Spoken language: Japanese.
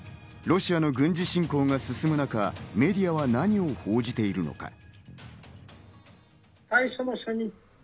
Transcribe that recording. ロシアの軍事侵攻が進む中、メディアは何を報じているのか？